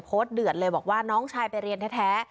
เดือดเลยบอกว่าน้องชายไปเรียนแท้